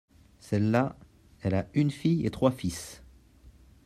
celle-là elle a une fille et trois fils.